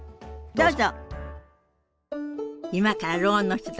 どうぞ。